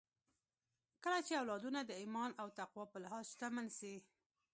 کله چې اولادونه د ايمان او تقوی په لحاظ شتمن سي